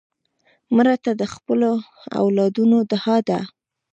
مړه ته د خپلو اولادونو دعا ده